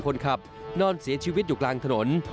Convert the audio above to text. คนขับนอนเสียชีวิตอยู่กลางถนน